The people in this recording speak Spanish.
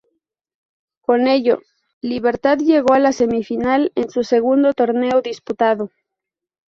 Con ello, Libertad llegó a la semifinal en su segundo torneo disputado.